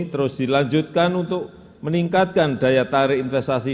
terus dilanjutkan untuk meningkatkan daya tarik investasi